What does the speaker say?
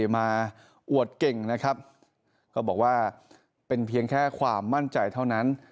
มาอวดเก่งนะครับก็บอกว่าเป็นเพียงแค่ความมั่นใจเท่านั้น